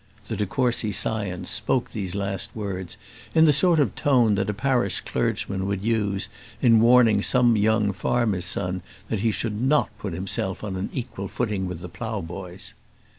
The de Courcy scion spoke these last words in the sort of tone that a parish clergyman would use, in warning some young farmer's son that he should not put himself on an equal footing with the ploughboys.